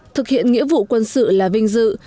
thực hiện nghĩa vụ quân sự là vinh dự